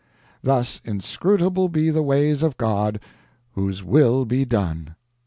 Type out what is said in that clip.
Thus inscrutable be the ways of God, whose will be done!